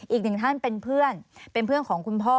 อีกหนึ่งท่านเป็นเพื่อนเป็นเพื่อนของคุณพ่อ